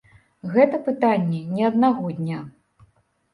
Гэта пытанне не аднаго дня.